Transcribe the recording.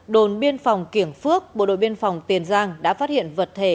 đồn biên phòng kiểng phước bộ đội biên phòng tiền giang đã phát hiện vật thể